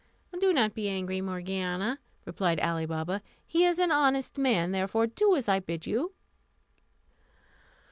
"Do not be angry, Morgiana," replied Ali Baba; "he is an honest man, therefore do as I bid you."